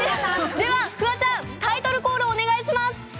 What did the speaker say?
では、フワちゃん、タイトルコールをお願いします！